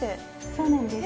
そうなんです。